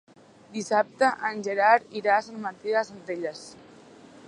Dissabte en Gerard irà a Sant Martí de Centelles.